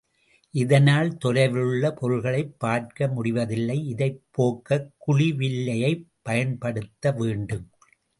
இதனால் தொலைவிலுள்ள பொருள்களைப் பார்க்க முடிவதில்லை.இதைப் போக்கக் குழிவில்லையைப் பயன்படுத்த வேண்டும்.